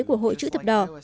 của hội chữ thập đỏ